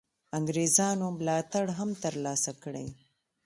انګرېزانو ملاتړ هم تر لاسه کړي.